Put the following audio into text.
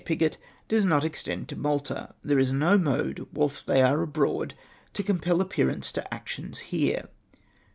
Piggott, ' does not extend to jMalta : there is no mode whilst they are abroad to compel appearance to actions here.'